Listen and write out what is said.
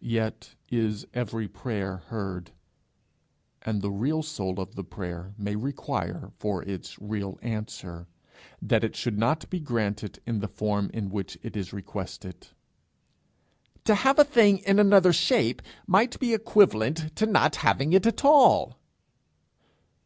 Yet is every prayer heard; and the real soul of the prayer may require, for its real answer, that it should not be granted in the form in which it is requested. 'To have a thing in another shape, might be equivalent to not having it at all.'